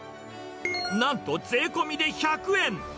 なんと税込みで１００円。